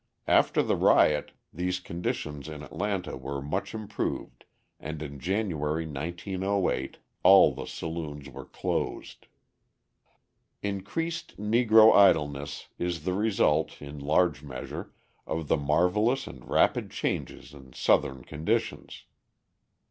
After the riot these conditions in Atlanta were much improved and in January, 1908, all the saloons were closed. Increased Negro idleness is the result, in large measure, of the marvellous and rapid changes in Southern conditions.